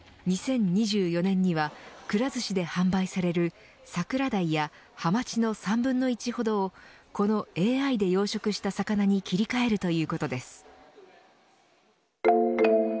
２０２４年にはくら寿司で販売されるサクラダイやハマチの３分の１ほどをこのＡＩで養殖した魚に切り替えるということです。